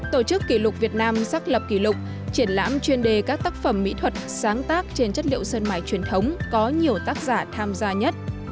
tổ chức kỷ lục việt nam xác lập kỷ lục triển lãm chuyên đề các tác phẩm mỹ thuật sáng tác trên chất liệu sơn mải truyền thống có nhiều tác giả tham gia nhất